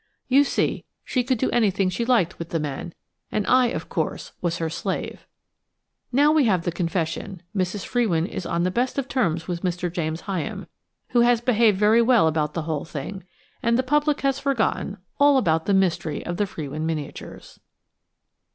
You see, she could do anything she liked with the men, and I, of course, was her slave. Now we have got the confession, Mrs. Frewin is on the best of terms with Mr. James Hyam, who has behaved very well about the whole thing, and the public has forgotten all about the mystery of the Frewin miniatures.